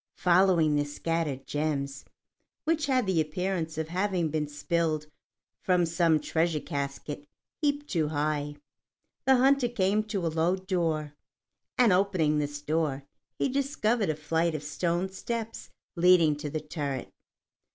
Following the scattered gems, which had the appearance of having been spilled from some treasure casket heaped too high, the hunter came to a low door, and opening this door, he discovered a flight of stone steps leading to the turret.